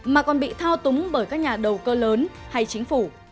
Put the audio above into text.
mà còn bị thao túng bởi các nhà đầu cơ lớn hay chính phủ